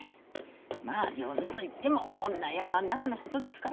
まあ上手といってもこんな山ん中のことですから。